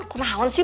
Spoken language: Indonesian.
aku kena hawan sih